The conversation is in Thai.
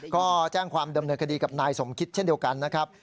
ก็แจ้งความดำเนินคดีกับนายสมคิดเช่นเดียวกันนะครับ